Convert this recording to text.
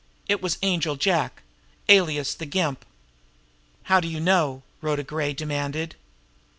It was Angel Jack, alias the Gimp." "How do you know?" Rhoda Gray demanded.